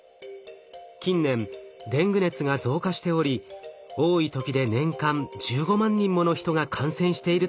近年デング熱が増加しており多い時で年間１５万人もの人が感染しているといいます。